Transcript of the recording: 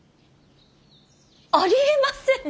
ありえません！